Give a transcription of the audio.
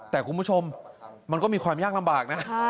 แต่คุณผู้ชมมันก็มีความยากลำบากนะ